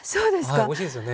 はいおいしいですよね。